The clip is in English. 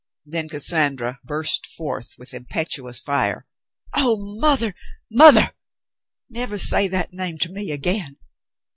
Then Cassandra burst forth with impetuous fire. "Oh, mother, mother ! Never say that name to me again.